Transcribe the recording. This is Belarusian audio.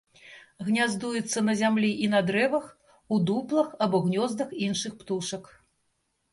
Гняздуецца на зямлі і на дрэвах, у дуплах або ў гнёздах іншых птушак.